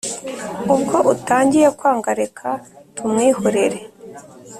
Ubwo utangiye kwanga reka tumwihorere